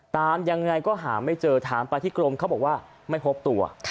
ตามยังไงก็หาไม่เจอถามไปที่กรมเขาบอกว่าไม่พบตัว